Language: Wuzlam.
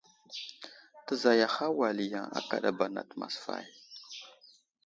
Təzayaha wal yaŋ akadaba nat masfay.